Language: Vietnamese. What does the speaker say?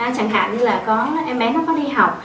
chẳng hạn là em bé có đi học